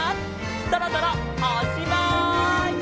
そろそろおっしまい！